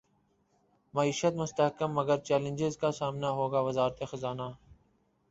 معیشت مستحکم مگر چیلنجز کا سامنا ہوگا وزارت خزانہ